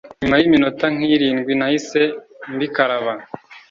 Nyuma y'iminota nk'irindwi nahise mbikaraba,